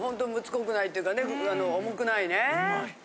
こくないというかね重くないね。